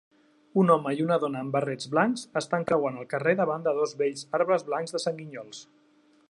Un home i una dona amb barrets blancs estan creuant el carrer davant de dos bells arbres blancs de sanguinyols.